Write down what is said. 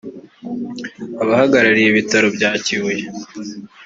abahagarariye Ibitaro bya Kibuye